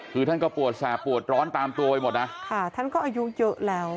คือท่านก็ปวดแสบปวดร้อนตามตัวไปหมดนะค่ะท่านก็อายุเยอะแล้ว